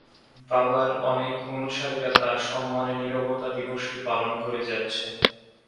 বাবার অনেক অনুসারীরা তার সম্মানে নীরবতা দিবসটি পালন করে যাচ্ছে।